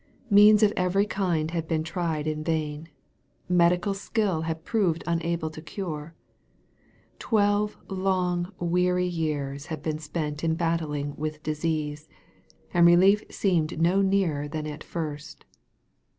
Means of every kind had been tried in vain. Medical skill had proved unable to cure. Twelve long weary years had been spent in battling with disease, and relief seemed no nearer than at first.